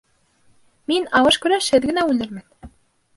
Мин алыш-көрәшһеҙ генә үлермен.